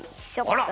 あら！